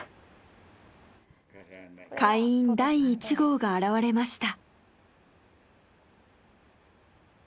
会員第１号が現れました。